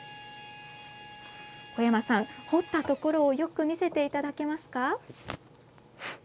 児山さん、彫ったところをよく見せていただけますか。